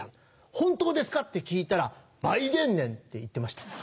本当ですか？って聞いたらバイデンねん！って言ってました。